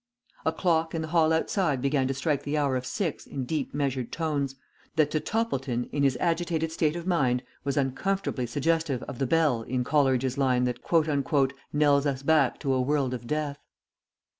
A clock in the hall outside began to strike the hour of six in deep measured tones, that to Toppleton in his agitated state of mind was uncomfortably suggestive of the bell in Coleridge's line that "Knells us back to a world of death."